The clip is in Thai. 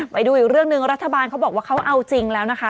ไปดูอีกเรื่องหนึ่งรัฐบาลเขาบอกว่าเขาเอาจริงแล้วนะคะ